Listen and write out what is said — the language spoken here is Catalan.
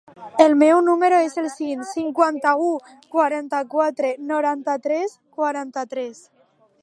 El meu número es el sis, cinquanta-u, quaranta-quatre, noranta-tres, quaranta-tres.